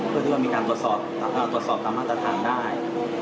เพื่อที่ว่ามีการตรวจสอบตามมาตรฐานได้